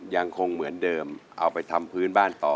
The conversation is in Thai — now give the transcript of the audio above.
ยังคงเหมือนเดิมเอาไปทำพื้นบ้านต่อ